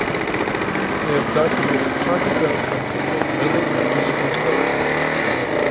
They have documented positive outcomes in both mental and physical health.